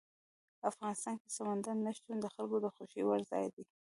افغانستان کې سمندر نه شتون د خلکو د خوښې وړ ځای دی.